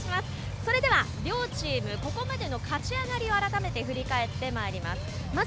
それでは両チームここまでの勝ち上がりを改めて振り返ってまいります。